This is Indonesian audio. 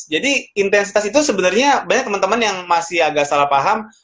jadi intensitas itu sebenernya banyak temen temen yang masih agak salah paham